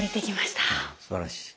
すばらしい。